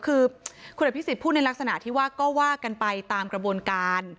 คือคุณอภิษฎพูดในลักษณะที่ว่าก็ว่ากันไปตามกระบวนการ